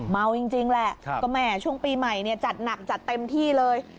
เมาจริงแหละก็แหม่ช่วงปีใหม่จัดหนักจัดเต็มที่เลย